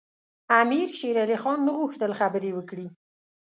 امیر شېرعلي خان نه غوښتل خبرې وکړي.